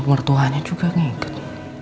pemertuanya juga ngikut